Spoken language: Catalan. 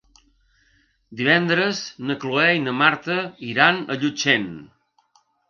Divendres na Cloè i na Marta iran a Llutxent.